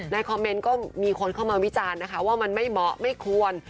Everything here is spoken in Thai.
คอมเมนต์ก็มีคนเข้ามาวิจารณ์นะคะว่ามันไม่เหมาะไม่ควร